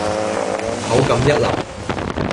口感一流